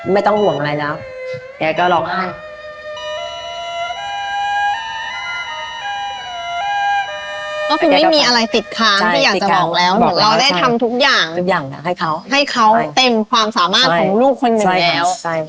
เต็มความสามารถของลูกคนหนึ่งแล้ว